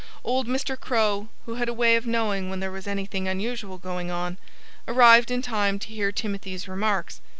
Old Mr. Crow, who had a way of knowing when there was anything unusual going on, arrived in time to hear Timothy's remarks.